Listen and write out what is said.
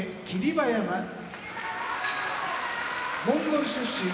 馬山モンゴル出身